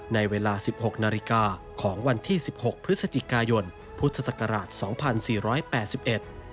ในเวลา๑๖นาฬิกาของวันที่๑๖พฤศจิกายนพุทธศักราช๒๔๘๑